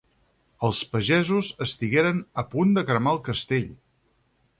Els pagesos estigueren a punt de cremar el castell.